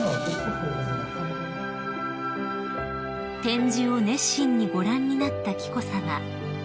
［展示を熱心にご覧になった紀子さま］